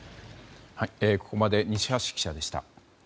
ここまで西橋記者でした。